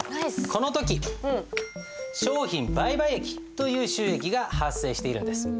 この時商品売買益という収益が発生しているんです。